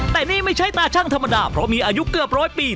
แต่นี่ไม่ใช่ตาชั่งธรรมดาเพราะมีอายุเกือบร้อยปี